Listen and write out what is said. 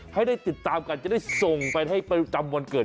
ให้ได้ติดตามกันจะได้ส่งไปให้ประจำวันเกิด